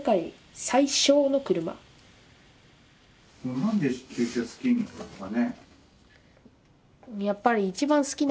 何で旧車好きになったのかね？